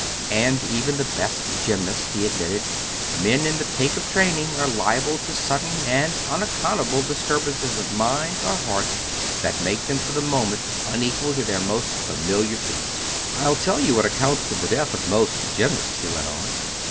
And even the best gymnasts, he admitted, men in the pink of training, are liable to sudden and unaccountable disturbances of mind or heart that make them for the moment unequal to their most familiar feats. "I'll tell you what accounts for the death of most gymnasts," he went on.